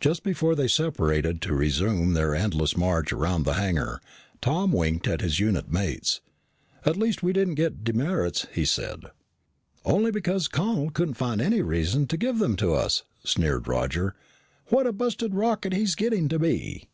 Just before they separated to resume their endless march around the hangar, Tom winked at his unit mates. "At least we didn't get demerits," he said. "Only because Connel couldn't find any reason to give them to us," sneered Roger. "What a busted rocket he's getting to be!"